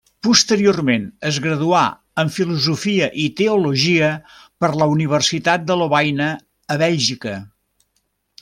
Posteriorment es graduà en filosofia i teologia per la Universitat de Lovaina, a Bèlgica.